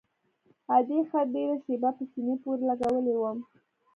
ادې ښه ډېره شېبه په سينې پورې لګولى وم.